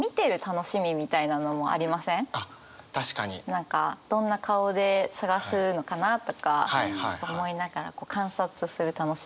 何かどんな顔で捜すのかな？とか思いながら観察する楽しみ。